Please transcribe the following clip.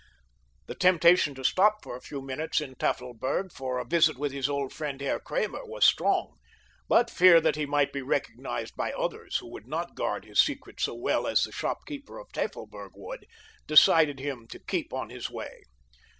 The temptation to stop for a few minutes in Tafelberg for a visit with his old friend Herr Kramer was strong, but fear that he might be recognized by others, who would not guard his secret so well as the shopkeeper of Tafelberg would, decided him to keep on his way.